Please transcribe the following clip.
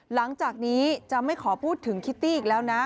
หลังจากนี้จะไม่ขอพูดถึงคิตตี้อีกแล้วนะ